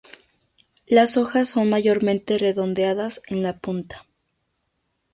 Las hojas son mayormente redondeadas en la punta.